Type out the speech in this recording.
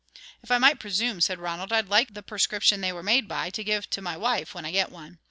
"If I might presume," said Ronald, "I'd like the prescription they were made by, to give to my wife, when I get one.